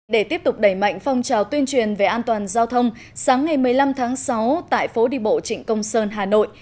để tiếp tục đẩy mạnh phong trào tuyên truyền về an toàn giao thông sáng ngày một mươi năm tháng sáu tại phố đi bộ trịnh công sơn hà nội